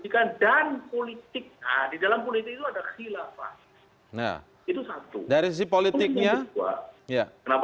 kalau kita begitu kita akan gagal